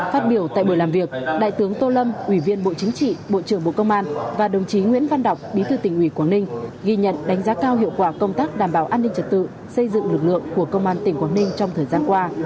phát biểu tại buổi làm việc đại tướng tô lâm ủy viên bộ chính trị bộ trưởng bộ công an và đồng chí nguyễn văn đọc bí thư tỉnh ủy quảng ninh ghi nhận đánh giá cao hiệu quả công tác đảm bảo an ninh trật tự xây dựng lực lượng của công an tỉnh quảng ninh trong thời gian qua